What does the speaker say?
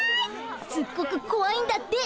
すっごくこわいんだって。